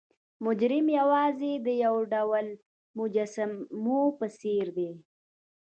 مجرم یوازې د یو ډول مجسمو پسې دی.